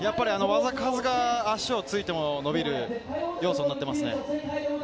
技数が足を着いても、伸びる要素になってます。